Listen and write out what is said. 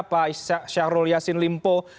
pak syahrul yassin limpo